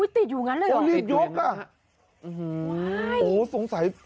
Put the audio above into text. ติดอยู่อยู่นั้นเลยเหรออื้อฮือว้ายโอ้สงสัย